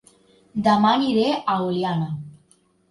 Dema aniré a Oliana